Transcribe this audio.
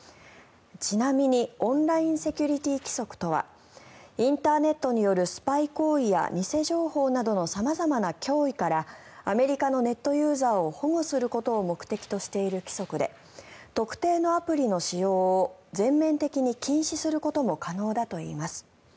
ちなみに、オンラインセキュリティー規則とはインターネットによるスパイ行為や偽情報などの様々な脅威からアメリカのネットユーザーを保護することを目的としている規則で特定のアプリの使用を全面的に禁止することも可能だといいます。